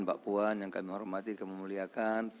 mbak puan yang kami hormati kami muliakan